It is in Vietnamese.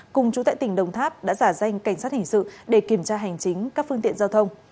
cùng chú tại tỉnh đồng tháp đã giả danh cảnh sát hình sự để kiểm tra hành chính các phương tiện giao thông